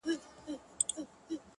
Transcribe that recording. رڼا ترې باسم له څراغه .